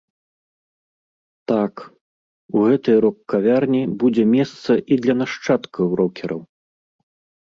Так, у гэтай рок-кавярні будзе месца і для нашчадкаў рокераў.